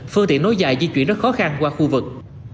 phương tiện nối dài di chuyển rất khó khăn qua khu vực